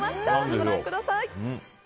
ご覧ください。